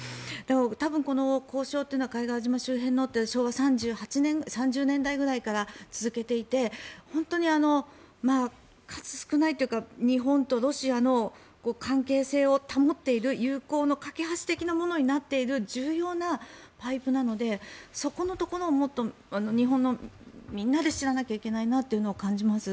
多分、この交渉は貝殻島周辺は昭和３０年代ぐらいから続けていて本当に数少ないというか日本とロシアの関係性を保っている友好の懸け橋的なものになっている重要なパイプなのでそこのところをもっと日本のみんなで知らなきゃいけないなと感じます。